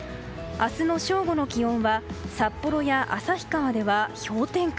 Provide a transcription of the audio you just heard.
明日の正午の気温は札幌や旭川では氷点下。